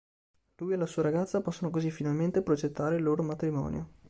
Lui e la sua ragazza possono così finalmente progettare il loro matrimonio.